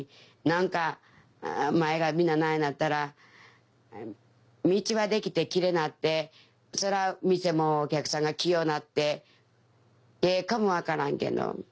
何か前が皆ないなったら道は出来てキレイなってそら店もお客さんが来よなってええかも分からんけど。